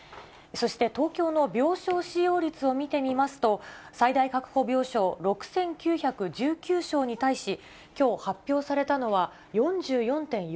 そして、東京の病床使用率を見てみますと、最大確保病床６９１９床に対し、きょう発表されたのは、４４．４％。